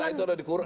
itu udah di quran